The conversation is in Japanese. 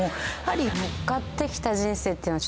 乗っかってきた人生っていうのは。